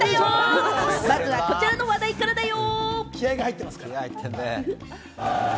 まずは、こちらの話題からだよ！